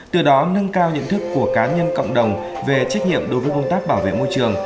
từ đó nâng cao nhận thức của cá nhân cộng đồng về trách nhiệm đối với công tác bảo vệ môi trường